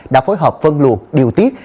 đã phối hợp phân luộc điều tiết